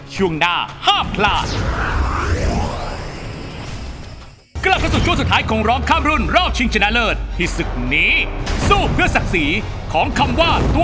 ช่วงหน้าห้ามพลาด